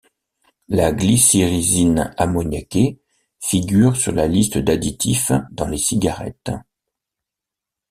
La glycyrrhizine ammoniaquée figure sur la liste d'additifs dans les cigarettes.